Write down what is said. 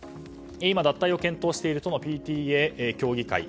今、脱退を検討している都のＰＴＡ協議会。